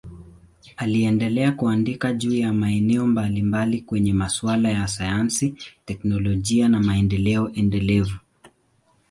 Aliendelea kuandika juu ya maeneo mbalimbali kwenye masuala ya sayansi, teknolojia na maendeleo endelevu.